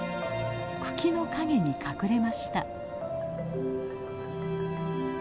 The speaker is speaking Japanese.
茎の陰に隠れました。